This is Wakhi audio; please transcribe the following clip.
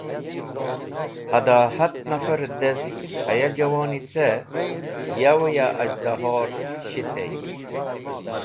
Hada hat nafar-e dest haya juwoni ce, yowe ya az̃hdahor shitey.